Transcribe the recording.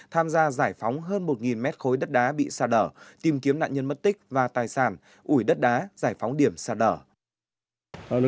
tham gia giải phóng hơn một mét khối đất đá bị xà đỏ tìm kiếm nạn nhân mất tích và tài sản ủi đất đá giải phóng điểm xà đỏ